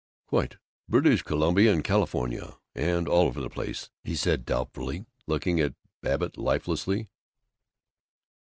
"Quite. British Columbia and California and all over the place," he said doubtfully, looking at Babbitt lifelessly.